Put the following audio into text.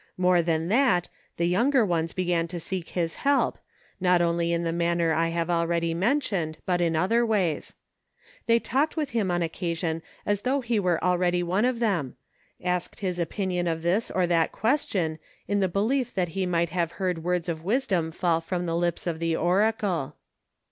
More than that, the younger ones began to seek his help, not only in the manner I have already mentioned, but in other ways. They talked with him on occasion as though he were already one of them ; asked his opinion of this or that question, in the belief that he might have heard words of wisdom fall from the lips of the oracle.